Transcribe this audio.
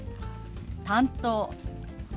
「担当」。